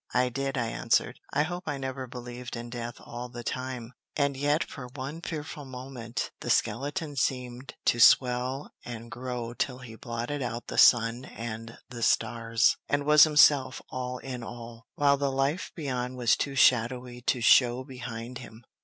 "I did," I answered. "I hope I never believed in Death all the time; and yet for one fearful moment the skeleton seemed to swell and grow till he blotted out the sun and the stars, and was himself all in all, while the life beyond was too shadowy to show behind him.